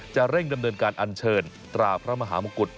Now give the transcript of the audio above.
จะเร่งดำเนินการอันเชิญตราพระมหามงกุฎ